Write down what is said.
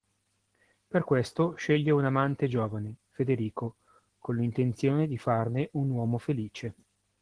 Per questo sceglie un amante giovane, Federico, con l'intenzione di farne un uomo felice.